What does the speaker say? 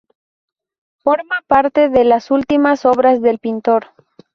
Forma parte de las últimas obras del pintor.